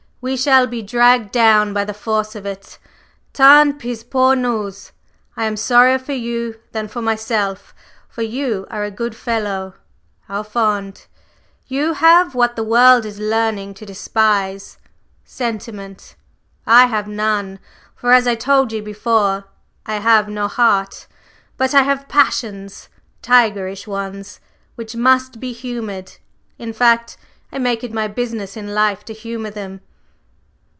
We shall be dragged down by the force of it, tant pis pour nous! I am sorrier for you than for myself, for you are a good fellow, au fond; you have what the world is learning to despise sentiment. I have none; for as I told you before, I have no heart, but I have passions tigerish ones which must be humored; in fact, I make it my business in life to humor them."